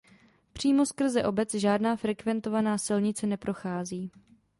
Přímo skrze obec žádná frekventovaná silnice neprochází.